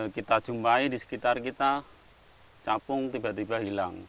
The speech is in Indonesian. kita jumpai di sekitar kita capung tiba tiba hilang